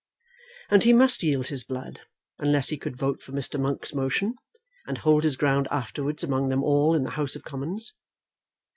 And he must yield his blood, unless he could vote for Mr. Monk's motion, and hold his ground afterwards among them all in the House of Commons.